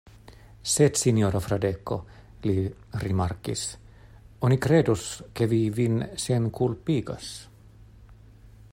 Sed sinjoro Fradeko, li rimarkigis, oni kredus, ke vi vin senkulpigas.